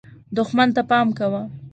دښمن ته پام کوه .